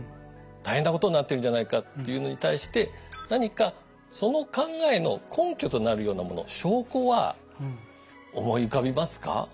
「大変なことになってるんじゃないか」というのに対して何かその考えの根拠となるようなもの証拠は思い浮かびますか？